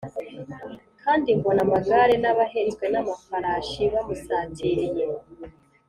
kandi mbona amagare n’abahetswe n’amafarashi bamusatiriye